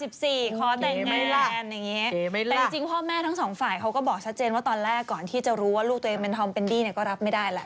โอเคไหมล่ะแต่จริงพ่อแม่ทั้ง๒ฝ่ายเขาก็บอกชัดเจนว่าตอนแรกก่อนที่จะรู้ว่าลูกตัวเองมันทำเป็นดีก็รับไม่ได้ล่ะ